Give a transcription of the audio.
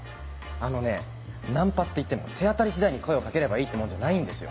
あのねナンパっていっても手当り次第に声を掛ければいいってもんじゃないんですよ。